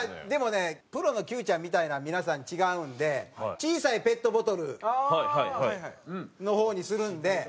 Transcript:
でもねプロのＱちゃんみたいなん皆さん違うんで小さいペットボトルの方にするんで。